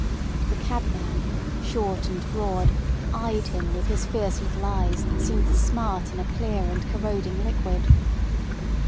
The cabman, short and broad, eyed him with his fierce little eyes that seemed to smart in a clear and corroding liquid.